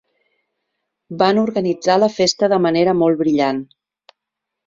Van organitzar la festa de manera molt brillant.